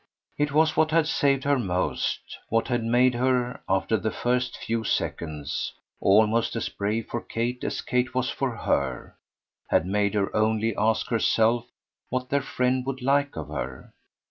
It was what had saved her most, what had made her, after the first few seconds, almost as brave for Kate as Kate was for her, had made her only ask herself what their friend would like of her.